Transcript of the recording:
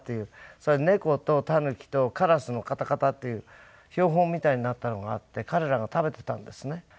それ猫とタヌキとカラスのカタカタっていう標本みたいになったのがあって彼らが食べてたんですね。